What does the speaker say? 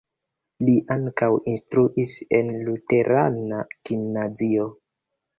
Li ankaŭ instruis en luterana gimnazio.